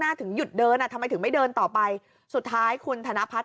ถึงหยุดเดินอ่ะทำไมถึงไม่เดินต่อไปสุดท้ายคุณธนพัฒน